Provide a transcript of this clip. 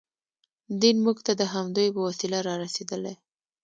دین موږ ته د همدوی په وسیله رارسېدلی.